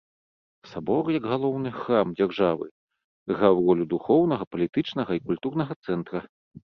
Сабор як галоўны храм дзяржавы граў ролю духоўнага, палітычнага і культурнага цэнтра.